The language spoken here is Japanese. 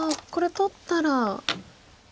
これ取ったら。